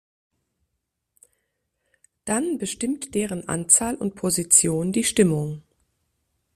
Dann bestimmt deren Anzahl und Position die Stimmung.